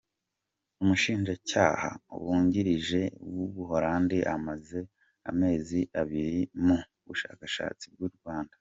Umushinjacyaha wungirije w’u Buholandi amaze amezi abiri mu bushakashatsi mu Rwanda